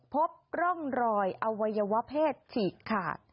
พบร่องรอยอวัยวะเพศฉีกขาด